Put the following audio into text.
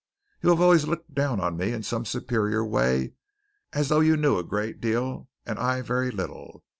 You have always looked down on me in some superior way as though you knew a great deal and I very little.